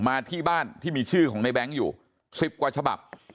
มาที่บ้านที่มีชื่อของในแบงค์อยู่๑๐กว่าฉบับ